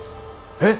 えっ！？